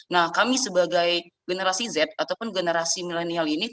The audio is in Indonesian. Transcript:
nah kami sebagai generasi z ataupun generasi milenial ini